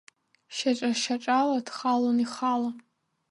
Шьаҿа-шьаҿала дхалон ихала.